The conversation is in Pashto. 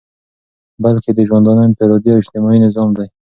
بلكي دژوندانه انفرادي او اجتماعي نظام دى